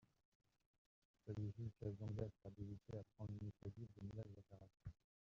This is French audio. Celui-ci cesse donc d’être habilité à prendre l’initiative de nouvelles opérations.